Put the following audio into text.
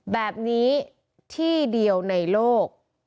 แบบนี้ที่เดียวในโลก